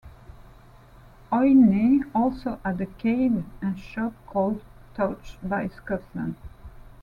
Oyne also has a cade and shop called touched by Scotland.